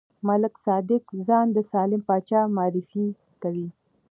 ملک صادق ځان د سالم پاچا معرفي کوي.